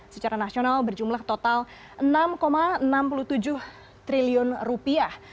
secara nasional berjumlah total enam enam puluh tujuh triliun rupiah